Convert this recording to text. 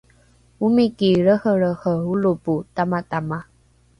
omiki lrehelrehe olopo tamatama